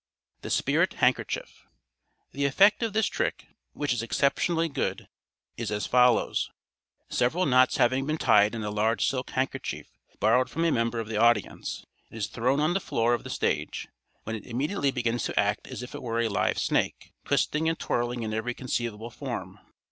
The Spirit Handkerchief.—The effect of this trick, which is exceptionally good, is as follows: Several knots having been tied in a large silk handkerchief borrowed from a member of the audience, it is thrown on the floor of the stage when it immediately begins to act as if it were a live snake, twisting and twirling in every conceivable form.